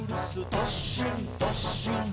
どっしんどっしん」